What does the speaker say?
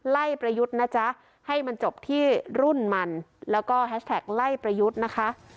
ประยุทธ์นะจ๊ะให้มันจบที่รุ่นมันแล้วก็แฮชแท็กไล่ประยุทธ์นะคะ